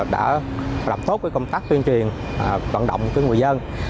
đã làm tốt công tác tuyên truyền vận động người dân